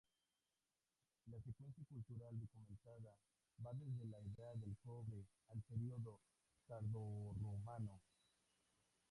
La secuencia cultural documentada va desde la Edad del Cobre al período tardorromano.